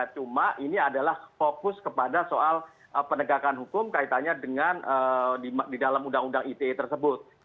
cuma ini adalah fokus kepada soal penegakan hukum kaitannya dengan di dalam undang undang ite tersebut